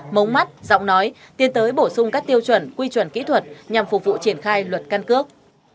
mống mắt giọng nói tiến tới bổ sung các tiêu chuẩn quy chuẩn kỹ thuật nhằm phục vụ triển khai luật căn cước